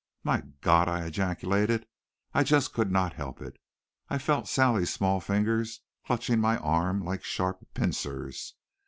"My God!" I ejaculated. I just could not help it. I felt Sally's small fingers clutching my arm like sharp pincers.